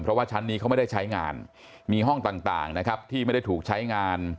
เพราะว่าชั้นนี้เขาไม่ได้ใช้งานมีห้องต่างนะครับที่ไม่ได้ถูกใช้งาน